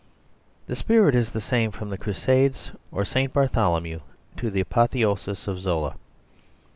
The spirit is the same from the Crusades or St. Bartholomew to the apotheosis of Zola.